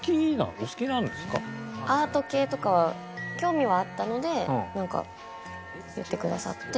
アート系とかは興味はあったのでなんか言ってくださって。